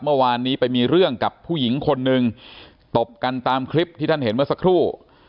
เมื่อวานนี้ไปมีเรื่องกับผู้หญิงคนหนึ่งตบกันตามคลิปที่ท่านเห็นเมื่อสักครู่